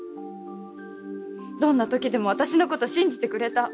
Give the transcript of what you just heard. どんな時でも私のこと信じてくれた。